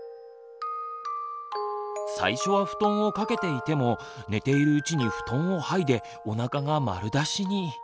最初は布団を掛けていても寝ているうちに布団をはいでおなかが丸出しに。